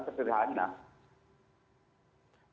masih dengan batas sederhana